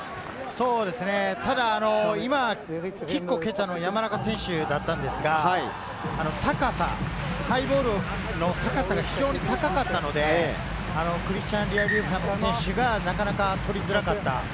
ただ、キックを蹴ったのは山中選手だったんですが、ハイボールの高さが非常に高かったので、クリスチャン・リアリーファノ選手がなかなか取りづらかった。